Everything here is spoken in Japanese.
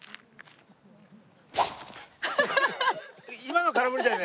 今のは空振りだよね？